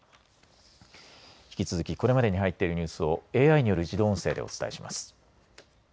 引き続きこれまでに入っているニュースをＡＩによる自動音声でお伝えします。